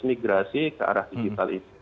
migrasi ke arah digital itu